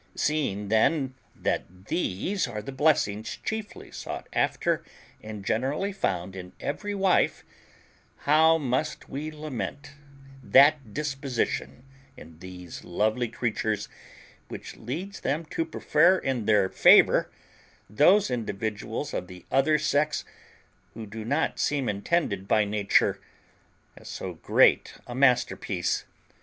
Seeing then that these are the blessings chiefly sought after and generally found in every wife, how must we lament that disposition in these lovely creatures which leads them to prefer in their favour those individuals of the other sex who do not seem intended by nature as so great a masterpiece!